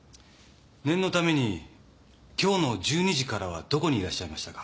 念のために今日の１２時からはどこにいらっしゃいましたか？